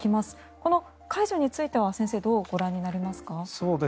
この解除については先生はどうご覧になりますか。